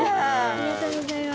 ありがとうございます。